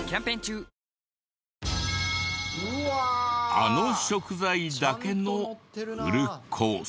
あの食材だけのフルコース。